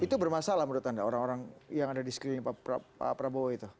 itu bermasalah menurut anda orang orang yang ada di sekeliling pak prabowo itu